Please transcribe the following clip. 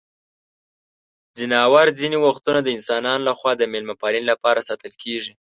ځناور ځینې وختونه د انسانانو لخوا د مېلمه پالنې لپاره ساتل کیږي.